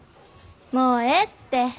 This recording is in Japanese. もうええって。